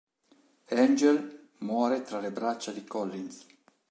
Angel muore tra le braccia di Collins.